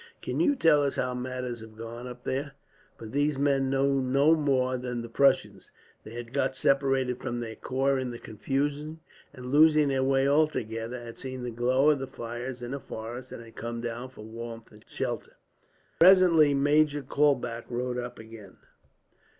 Can you tell us how matters have gone, up there?" But these knew no more than the Prussians. They had got separated from their corps in the confusion and, losing their way altogether, had seen the glow of the fires in the forest, and had come down for warmth and shelter. Presently Major Kaulbach rode up again.